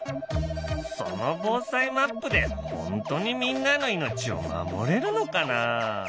その防災マップでホントにみんなの命を守れるのかな？